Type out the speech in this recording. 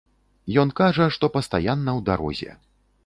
Ён кажа, што пастаянна ў дарозе.